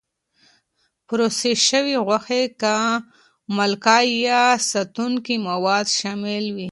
پروسس شوې غوښې کې مالکه یا ساتونکي مواد شامل وي.